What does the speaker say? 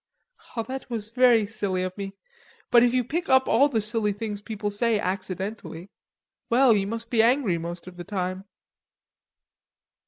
"That was very silly of me.... But if you pick up all the silly things people say accidentally... well, you must be angry most of the time."